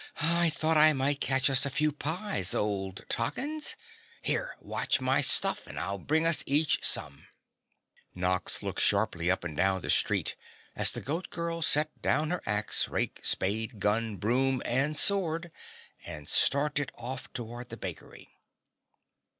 "I thought I might catch us a few pies, Old Toggins. Here, watch my stuff and I'll bring us each some." Nox looked sharply up and down the street as the Goat Girl set down her axe, rake, spade, gun, broom and sword, and started off toward the bakery.